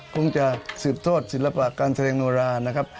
คงจะสืบทอดศิลปะการแสดงโนรานะครับ